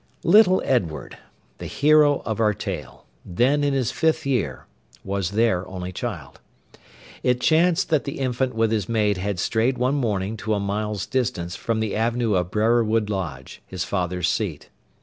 Little Edward, the hero of our tale, then in his fifth year, was their only child. It chanced that the infant with his maid had strayed one morning to a mile's distance from the avenue of Brerewood Lodge, his father's seat.